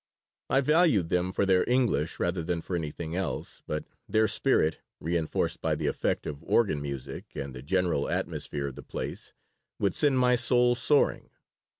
I valued them for their English rather than for anything else, but their spirit, reinforced by the effect of organ music and the general atmosphere of the place, would send my soul soaring.